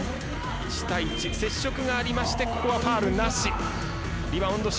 １対１、接触がありましてここはファウルなし。